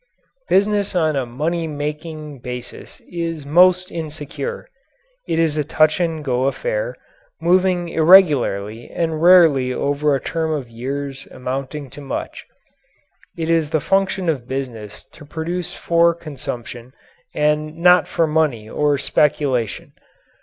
Business on a money making basis is most insecure. It is a touch and go affair, moving irregularly and rarely over a term of years amounting to much. It is the function of business to produce for consumption and not for money or speculation.